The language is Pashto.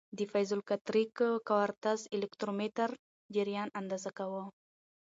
د پیزوالکتریک کوارتز الکترومتر جریان اندازه کاوه.